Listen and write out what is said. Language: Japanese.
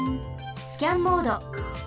スキャンモード。